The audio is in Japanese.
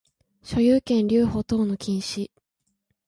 所有権留保等の禁止